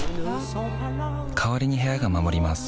代わりに部屋が守ります